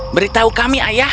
beritahu kami ayah